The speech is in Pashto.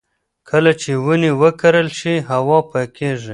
کله چې ونې وکرل شي، هوا پاکېږي.